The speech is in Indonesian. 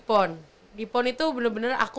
pond di pond itu bener bener aku